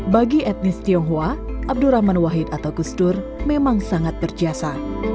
bagi etnis tionghoa abdurrahman wahid atau gusdur memang sangat berjasa